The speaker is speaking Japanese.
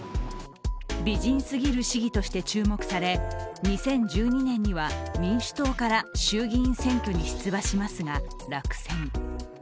美人すぎる市議として注目され、２０１２年には民主党から衆議院選挙に出馬しますが落選。